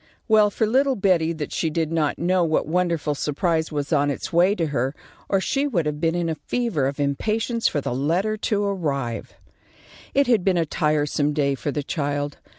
Well for little Betty that she did not know what wonderful surprise was on its way to her, or she would have been in a fever of impatience for the letter to arrive. It had been a tiresome day for the child.